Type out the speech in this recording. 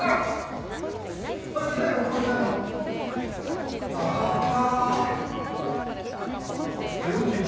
これだよこれだよ。あった。